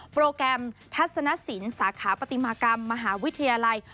โปรแกรมทัศนสินสาขาปฏิมากรรมมหาวิทยาลัย